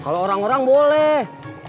kalau orang orang boleh